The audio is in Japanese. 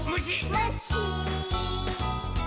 「むっしー！」